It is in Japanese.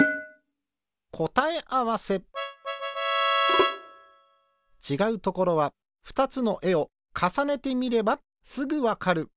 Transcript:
こたえあわせちがうところはふたつのえをかさねてみればすぐわかる。